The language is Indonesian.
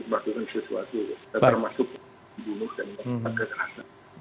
termasuk bunuh dan membuat kekerasan